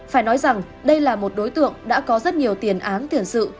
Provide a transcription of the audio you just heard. phải nói rằng đây là một đối tượng đã có rất nhiều tiền án tiền sự